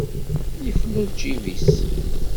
Yefla lǧib-is.